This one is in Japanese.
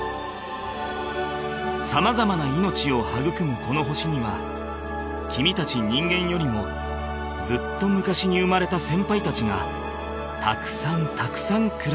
［様々な命を育むこの星には君たち人間よりもずっと昔に生まれた先輩たちがたくさんたくさん暮らしている］